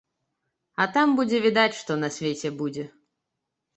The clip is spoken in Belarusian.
А там будзе відаць, што на свеце будзе.